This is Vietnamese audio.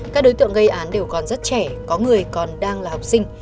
các đối tượng gây án đều còn rất trẻ có người còn đang là học sinh